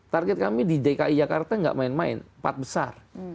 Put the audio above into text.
target kami di dki jakarta nggak main main empat besar